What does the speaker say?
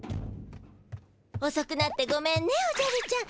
おそくなってごめんねおじゃるちゃん。